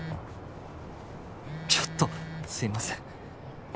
ちょっとすいません